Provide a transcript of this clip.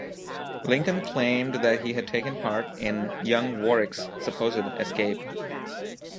Lincoln claimed that he had taken part in young Warwick's supposed escape.